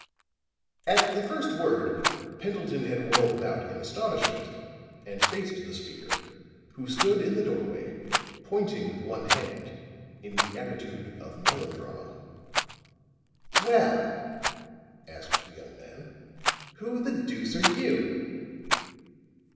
At the first word Pendleton had whirled about in astonishment, and faced the speaker, who stood in the doorway, pointing with one hand in the attitude of melodrama. "Well," asked the young man, "who the deuce are you?"